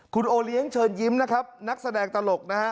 คุณโอเลี้ยงเชิญยิ้มนะครับนักแสดงตลกนะฮะ